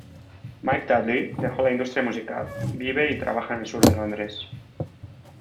Mike Dudley dejó la industria musical, vive y trabaja en el sur de Londres.